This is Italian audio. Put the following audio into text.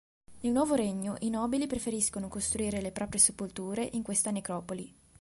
Nel Nuovo Regno i nobili preferiscono costruire le proprie sepolture in questa necropoli.